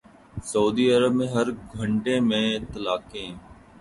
سعودی عرب میں ہر گھنٹے میں طلاقیں